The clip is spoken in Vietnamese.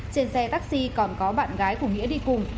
trên xe taxi còn có bạn gái của nghĩa đi cùng